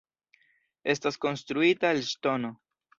Estas konstruita el ŝtono.